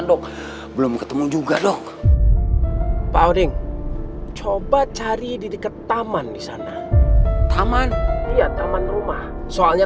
dong belum ketemu juga dong pak odin coba cari di dekat taman di sana taman iya taman rumah soalnya